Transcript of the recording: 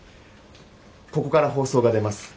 ここから放送が出ます。